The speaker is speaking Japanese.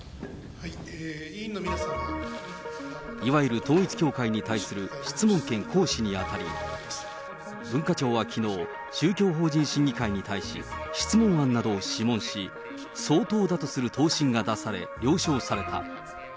いわゆる統一教会に対する質問権行使にあたり、文化庁はきのう、宗教法人審議会に対し、質問案などを諮問し、相当だとする答申が出され、了承された。